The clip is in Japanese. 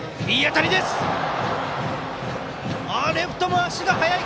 ただ、レフトも足が速い！